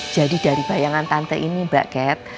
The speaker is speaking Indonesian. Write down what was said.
jadi dari bayangan tante ini mbak cat